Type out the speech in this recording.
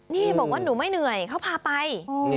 นี่บอกว่าหนูไม่เหนื่อยเขาพาไป